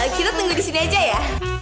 kita tinggal di sini aja ya